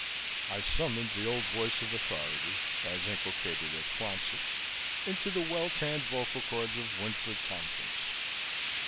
I summoned the old voice of authority, as inculcated at Quonset, into the well tanned vocal chords of Winfred Tompkins.